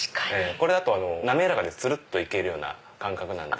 これだと滑らかでつるっといけるような感覚なんで。